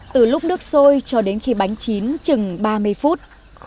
từ lúc nước sôi cho đến khi bánh chín chừng ba mươi phút